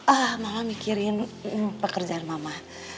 ah mama mikirin pekerjaan mama